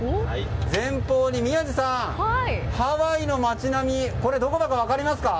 前方に宮司さんハワイの街並みどこだか分かりますか？